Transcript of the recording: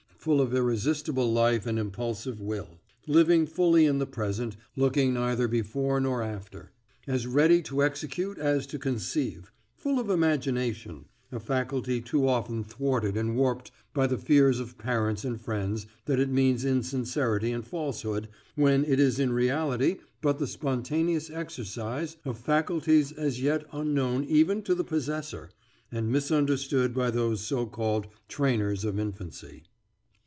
full of irresistible life and impulsive will; living fully in the present, looking neither before nor after; as ready to execute as to conceive; full of imagination a faculty too often thwarted and warped by the fears of parents and friends that it means insincerity and falsehood, when it is in reality but the spontaneous exercise of faculties as yet unknown even to the possessor, and misunderstood by those so called trainers of infancy.